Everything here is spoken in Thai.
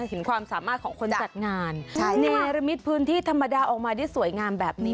เห็นความสามารถของคนจัดงาน